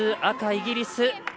赤、イギリス。